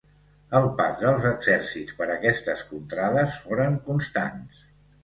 El pas dels exèrcits per aquestes contrades foren constants.